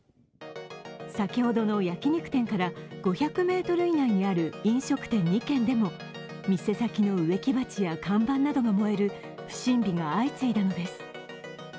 先ほどの焼き肉店から５００ｍ以内にある飲食店２軒でも店先の植木鉢や看板などが燃える不審火が相次いだのです。